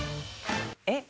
えっ？